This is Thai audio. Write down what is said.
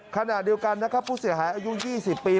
ขณะเดียวกันนะครับผู้เสียหายอายุ๒๐ปี